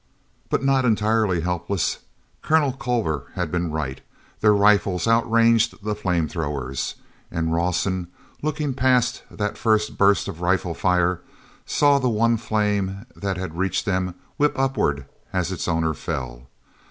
But not entirely helpless. Colonel Culver had been right: their rifles outranged the flame throwers. And Rawson, looking past that first burst of rifle fire, saw the one flame that had reached them whip upward as its owner fell.